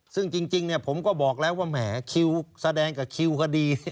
ซึ่งจริงผมก็บอกแล้วว่าแหมคิวแสดงกับคิวก็ดี